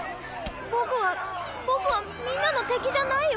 僕は僕はみんなの敵じゃないよ。